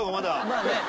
まあね。